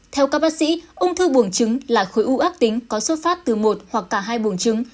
theo các bác sĩ ung thư buồng trứng là khối u ác tính có xuất phát từ một hoặc cả hai buồng trứng